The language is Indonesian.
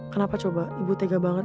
kenapa coba ibu tega banget